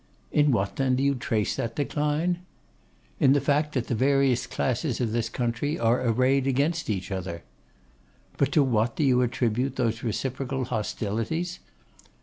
'In what, then, do you trace that decline?' 'In the fact that the various classes of this country are arrayed against each other.' 'But to what do you attribute those reciprocal hostilities?